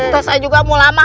saya juga mau lama